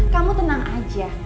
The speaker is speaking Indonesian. kamu tenang aja